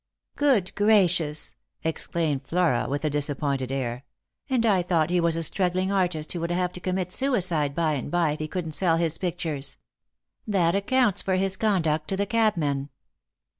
" Good gracious !" exclaimed Flora with a disappointed air ;" and I thought he was a struggling artist who would have to commit suicide by and by if he couldn't sell his pictures. That accounts for his conduct to the cabmen."